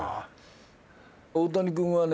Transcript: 大谷君はね